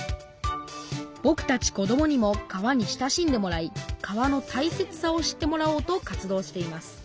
ぼくたち子どもにも川に親しんでもらい川のたいせつさを知ってもらおうと活動しています。